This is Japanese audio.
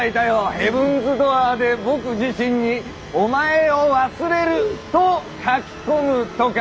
ヘブンズ・ドアーで僕自身に「お前を忘れる」と書き込むとか。